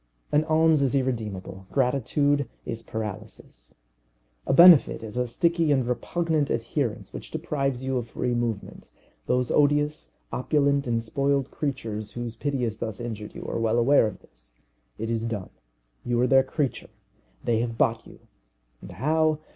An alms is irremediable. Gratitude is paralysis. A benefit is a sticky and repugnant adherence which deprives you of free movement. Those odious, opulent, and spoiled creatures whose pity has thus injured you are well aware of this. It is done you are their creature. They have bought you and how?